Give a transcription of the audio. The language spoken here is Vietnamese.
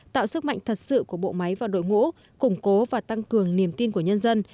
tạo sức mạnh thật sự của bộ máy và đội ngũ củng cố và tăng cường niềm tin của nhân dân